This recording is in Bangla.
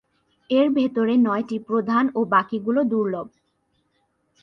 এর ভেতরে নয়টি প্রধান ও বাকিগুলো দুর্লভ।